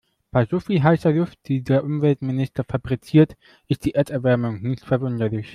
Bei so viel heißer Luft, die der Umweltminister fabriziert, ist die Erderwärmung nicht verwunderlich.